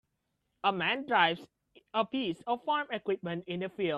A man drives a piece of farm equipment in a field.